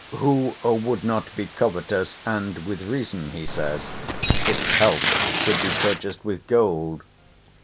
"Who would not be covetous, and with reason," he says, "if health could be purchased with gold?